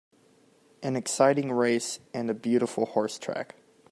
An exciting race and a beautiful horse track.